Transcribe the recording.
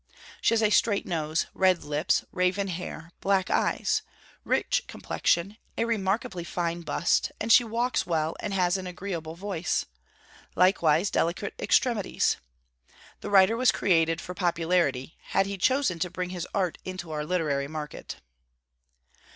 She has a straight nose, red lips, raven hair, black eyes, rich complexion, a remarkably fine bust, and she walks well, and has an agreeable voice; likewise 'delicate extremities.' The writer was created for popularity, had he chosen to bring his art into our literary market.